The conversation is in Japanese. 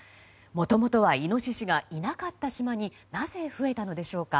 もともとはイノシシがいなかった島になぜ増えたのでしょうか。